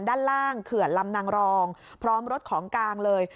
ด้านล่างเขื่อนลำนางรองพร้อมรถของกลางเลย